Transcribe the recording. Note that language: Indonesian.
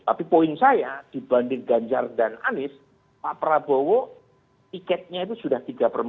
tapi poin saya dibanding ganjar dan anies pak prabowo tiketnya itu sudah tiga per empat